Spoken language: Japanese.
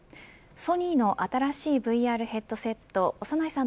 ソニーの新しいＶＲヘッドセット長内さん